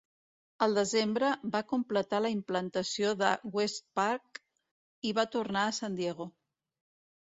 Al desembre, va completar la implantació de WestPac i va tornar a San Diego.